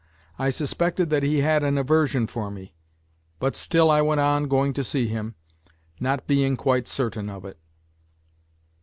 I suspected that he had an aversion for me, but still I went on going to see him, not being quite certain of it.